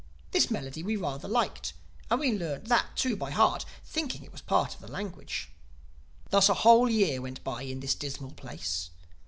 This melody we rather liked; and we learned that too by heart—thinking it was part of the language. "Thus a whole year went by in this dismal place.